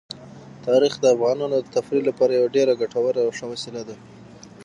تاریخ د افغانانو د تفریح لپاره یوه ډېره ګټوره او ښه وسیله ده.